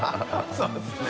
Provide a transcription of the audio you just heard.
そうですね。